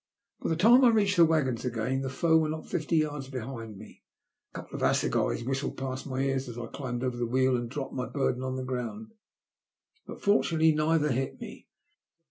By the time I reached the waggons again, the foe were not fifty yards behind me. A couple of assegais whistled passed my ears as I climbed over the wheel and dropped my burden on the ground, but fortunately neither hit me.